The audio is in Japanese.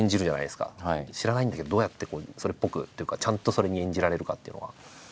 知らないんだけどどうやってそれっぽくっていうかちゃんとそれに演じられるかっていうのは。